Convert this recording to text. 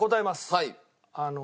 はい。